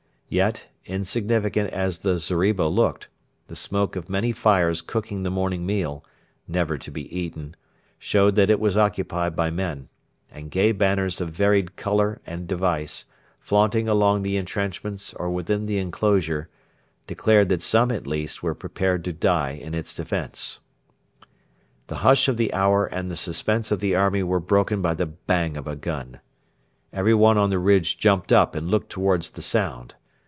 Yet, insignificant as the zeriba looked, the smoke of many fires cooking the morning meal never to be eaten showed that it was occupied by men; and gay banners of varied colour and device, flaunting along the entrenchments or within the enclosure, declared that some at least were prepared to die in its defence. The hush of the hour and the suspense of the army were broken by the bang of a gun. Everyone on the ridge jumped up and looked towards the sound.